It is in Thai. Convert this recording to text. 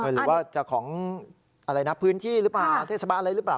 หรือว่าจะของอะไรนะพื้นที่หรือเปล่าเทศบาลอะไรหรือเปล่า